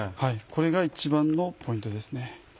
これが一番のポイントですね。